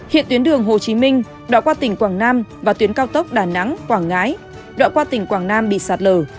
hiện tuyến đường hồ chí minh đoạn qua tỉnh quảng nam và tuyến cao tốc đà nẵng quảng ngãi đoạn qua tỉnh quảng nam bị sạt lở